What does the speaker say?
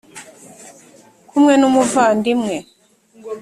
kumwe n’ umuvandimwe.